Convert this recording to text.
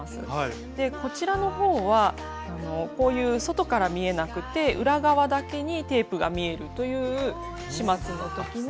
こちらの方はこういう外から見えなくて裏側だけにテープが見えるという始末の時に。